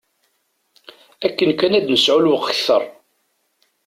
Akken kan ad nesɛu lweqt kter.